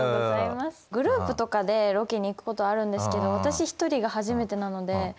グループとかでロケに行くことはあるんですけど私一人が初めてなのですごい緊張しました。